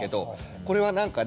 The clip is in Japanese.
これはなんかね